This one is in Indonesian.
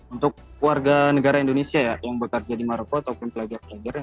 untuk warga negara indonesia ya yang bekerja di maroko ataupun pelajar pelajar